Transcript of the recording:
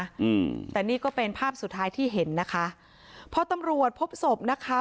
อืมแต่นี่ก็เป็นภาพสุดท้ายที่เห็นนะคะพอตำรวจพบศพนะคะ